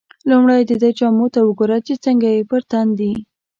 لومړی دده جامو ته وګوره چې څنګه یې پر تن دي.